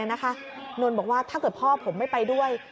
นนท์บอกว่าถ้าเกิดพ่อผมไม่ไปด้วย